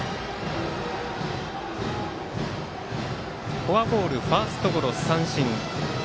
フォアボール、ファーストゴロ三振。